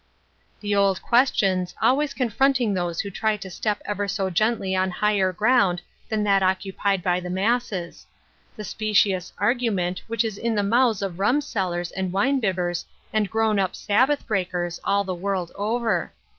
The old questions, always confronting those who try to step ever so gently on higher ground than that occupied by the masses ; the specious argument which is in the mouths of rumsellers and wine bibbers and grown up Sabbath breakers all the world over.